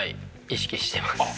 意識してます。